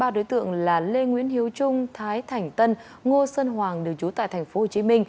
ba đối tượng là lê nguyễn hiếu trung thái thành tân ngô sơn hoàng đều trú tại tp hcm